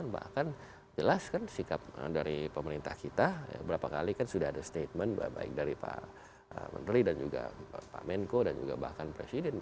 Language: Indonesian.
bahkan jelas kan sikap dari pemerintah kita berapa kali kan sudah ada statement baik dari pak menteri dan juga pak menko dan juga bahkan presiden